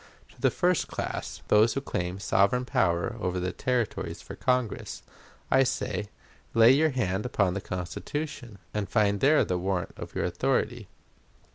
To the first class, those who claim sovereign power over the Territories for Congress, I say, lay your hand upon the Constitution, and find there the warrant of your authority.